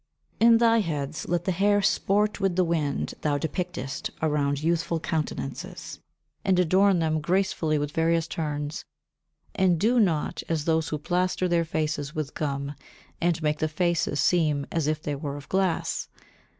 In thy heads let the hair sport with the wind thou depictest around youthful countenances, and adorn them gracefully with various turns, and do not as those who plaster their faces with gum and make the faces seem as if they were of glass.